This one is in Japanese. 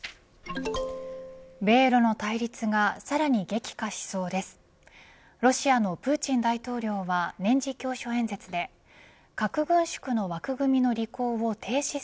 米ロの対立がさらに激化しそうです。